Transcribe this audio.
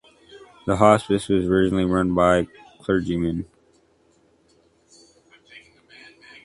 The hospice was originally run by clergymen.